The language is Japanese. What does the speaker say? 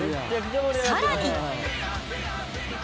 さらに。